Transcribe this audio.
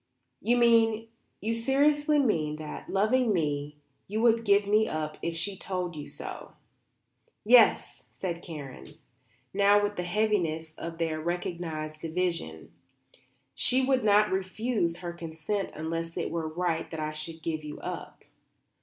"You mean, you seriously mean, that, loving me, you would give me up if she told you to?" "Yes," said Karen, now with the heaviness of their recognized division. "She would not refuse her consent unless it were right that I should give you up."